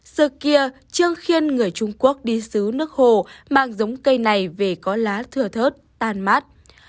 xưa kia trương khiên người trung quốc đi xứ nước hồ mang giống cây này về có lá thừa thớt tàn mát